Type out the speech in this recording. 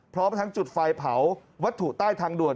พร้อมทั้งจุดไฟเผาวัตถุใต้ทางด่วน